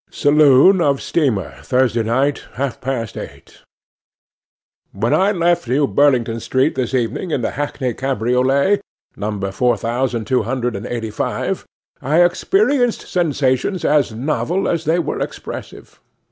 'Saloon of Steamer, Thursday night, half past eight. 'WHEN I left New Burlington Street this evening in the hackney cabriolet, number four thousand two hundred and eighty five, I experienced sensations as novel as they were oppressive.